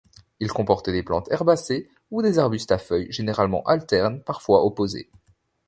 Il comporte des plantes herbacées ou des arbustes à feuilles généralement alternes, parfois opposées.